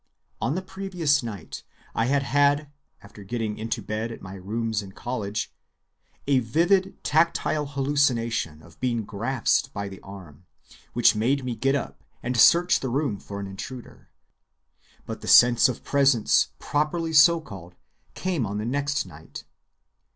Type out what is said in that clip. On the previous night I had had, after getting into bed at my rooms in College, a vivid tactile hallucination of being grasped by the arm, which made me get up and search the room for an intruder; but the sense of presence properly so called came on the next night.